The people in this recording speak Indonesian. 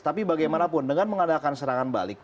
tapi bagaimanapun dengan mengadakan serangan balik